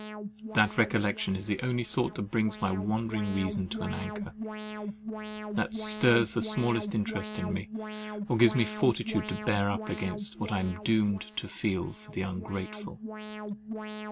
That recollection is the only thought that brings my wandering reason to an anchor; that stirs the smallest interest in me; or gives me fortitude to bear up against what I am doomed to feel for the ungrateful.